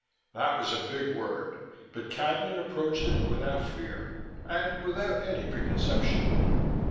That was a big word but Cadnan approached it without fear, and without any preconception.